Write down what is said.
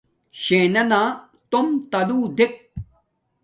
شݵنَنݳ تݸم تَلُݸ دݵک.